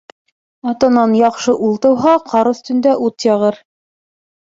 Атанан яҡшы ул тыуһа, ҡар өҫтөндә ут яғыр